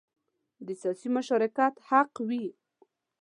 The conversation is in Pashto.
د سیاسي مشارکت حق وي.